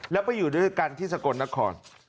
แล้วไปอยู่ด้วยกันที่สกลนคร